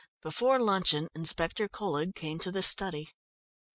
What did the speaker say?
Before luncheon Inspector Colhead came to the study.